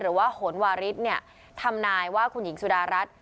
หรือว่าโหนวาริสเนี่ยทำนายว่าคุณหญิงสุดารัฐ